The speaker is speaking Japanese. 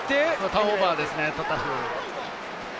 ターンオーバーですね、タタフ。